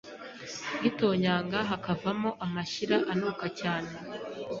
gitonyanga hakavamo amashyira anuka cyane